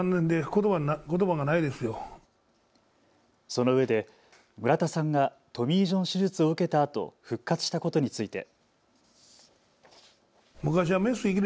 そのうえで村田さんがトミー・ジョン手術を受けたあと復活したことについて。